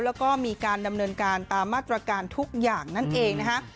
แล้วก็มีการดำเนินการตามมาตรการทุกอย่างนั่นเองนะคะ